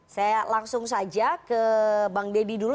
saya langsung saja ke bang deddy dulu